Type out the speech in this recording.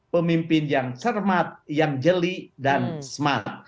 pemimpin yang cermat yang jeli dan smart